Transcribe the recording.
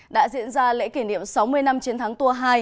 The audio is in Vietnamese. đã diễn ra lễ kỷ niệm sáu mươi năm chiến thắng tua hai